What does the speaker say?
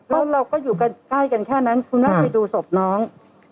แล้วเราก็อยู่ใกล้กันแค่นั้นคุณต้องไปดูศพน้อง